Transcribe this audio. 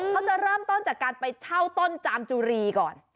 เขาจะเริ่มต้นจากการไปเช่าต้นจามจุรีก่อน